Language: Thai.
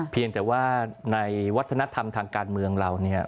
เพียงแต่ว่าในวัฒนธรรมทางการเมืองเรา